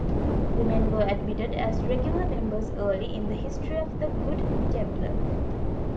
Women were admitted as regular members early in the history of the Good Templar.